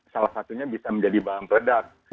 salah satunya bisa menjadi bahan peledak